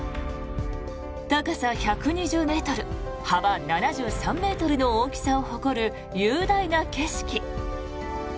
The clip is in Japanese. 高さ１２０ｍ、幅７３ｍの大きさを誇る雄大な景色。